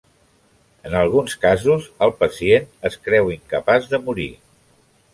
En alguns casos el pacient es creu incapaç de morir.